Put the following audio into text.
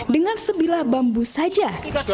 dengan sebilah bambu saja